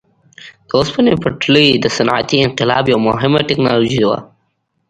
د اوسپنې پټلۍ د صنعتي انقلاب یوه مهمه ټکنالوژي وه.